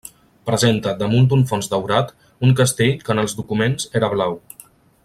Presenta, damunt d'un fons daurat, un castell que en els documents era blau.